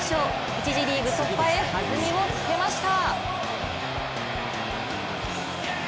１次リーグ突破へ弾みをつけました。